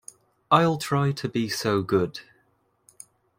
I’ll try to be so good.